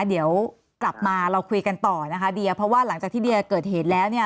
เดี๋ยวกลับมาเราคุยกันต่อนะคะเดียเพราะว่าหลังจากที่เดียเกิดเหตุแล้วเนี่ย